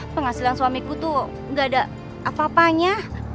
penghasilan suamiku tuh gak ada apa apanya